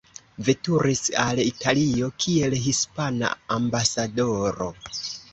Veturis al Italio kiel hispana ambasadoro.